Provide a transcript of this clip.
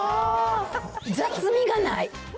雑味がない。